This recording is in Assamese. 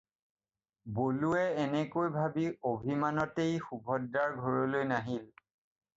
বলোৱে এনেকৈ ভাবি অভিমানতেই সুভদ্ৰাৰ ঘৰলৈ নাহিল।